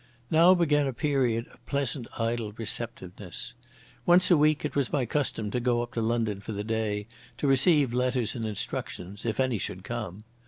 Now began a period of pleasant idle receptiveness. Once a week it was my custom to go up to London for the day to receive letters and instructions, if any should come.